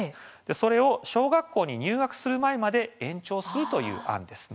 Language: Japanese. それを小学校に入学する前まで延長するという案です。